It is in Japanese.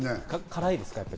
辛いですか？